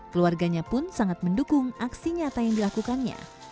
keluarganya pun sangat mendukung aksi nyata yang dilakukannya